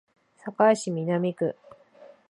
堺市南区